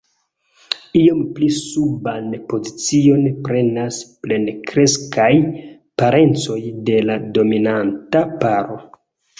Iom pli suban pozicion prenas plenkreskaj parencoj de la dominanta paro.